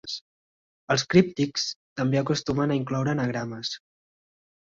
Els críptics també acostumen a incloure anagrames.